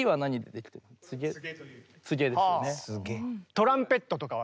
トランペットとかは？